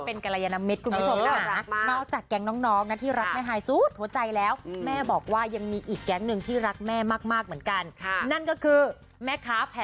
โอเคแต่แม่ไม่ต้องขัดทุนก็โอเค